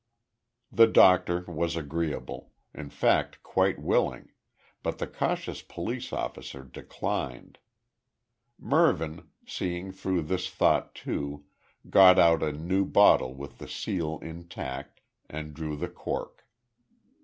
The doctor was agreeable, in fact quite willing, but the cautious police officer declined. Mervyn, seeing through this thought too, got out a new bottle with the seal intact, and drew the cork.